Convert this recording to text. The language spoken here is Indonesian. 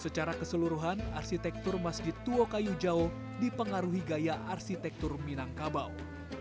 secara keseluruhan arsitektur masjid tuwakayu jawa dipengaruhi gaya arsitektur minangkabau